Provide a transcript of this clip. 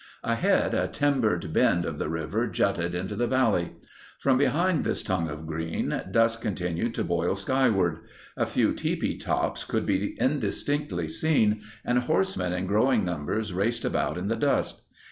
Ahead a timbered bend of the river jutted into the valley. From behind this tongue of green, dust continued to boil skyward. A few tipi tops could be indistinctly seen, and horsemen in growing numbers raced about in the dust.